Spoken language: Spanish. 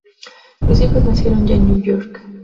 Sus hijos nacieron ya en Nueva York.